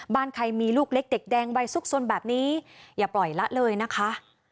บ้านใครมีลูกเล็กเด็กแดงวัยซุกสนแบบนี้อย่าปล่อยละเลยนะคะ